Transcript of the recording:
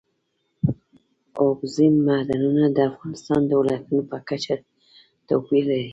اوبزین معدنونه د افغانستان د ولایاتو په کچه توپیر لري.